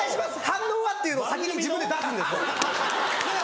反応は」っていうのを先に自分で出すんですもう。